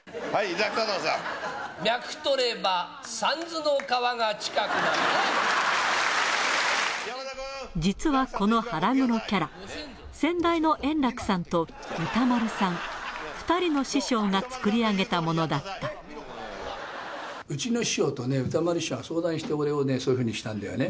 脈とれば、三途の川が近くな実はこの腹黒キャラ、先代の圓楽さんと歌丸さん、２人の師匠が作り上げたものだっうちの師匠とね、歌丸師匠が相談して、俺をね、そういうふうにしたんだよね。